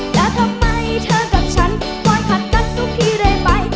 และทำไมเธอกับฉันปล่อยขัดกันทุกที่เลยไป